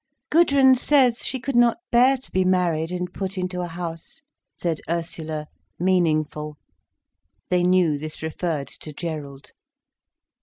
"Gudrun says she could not bear to be married and put into a house," said Ursula meaningful—they knew this referred to Gerald.